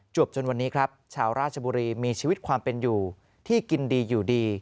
จนวันนี้ครับชาวราชบุรีมีชีวิตความเป็นอยู่ที่กินดีอยู่ดี